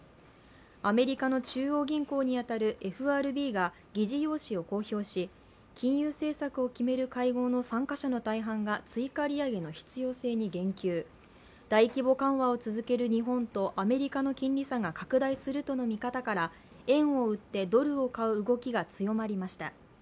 アメリカの中央銀行に当たるＦＲＢが議事要旨を公表し金融政策を決める会合の参加者の大半が追加借り上げの必要性に言及、大規模緩和を続ける日本とアメリカの金利差が拡大するとの見方から円を売って、ドルを買う動きが強まりました。